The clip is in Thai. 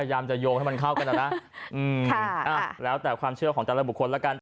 เดิมให้มันเข้ากันอ่ะละอืมค่ะอ่ะแล้วแต่ความเชื่อของแต่ละบุคคลล่ะกัน